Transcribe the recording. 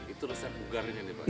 itu resep bugarnya